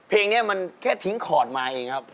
เพลงนี้มันแค่ทิ้งคอร์ดมาเองครับ